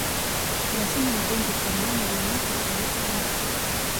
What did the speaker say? Я сунул деньги в карман и вернулся в свою комнату.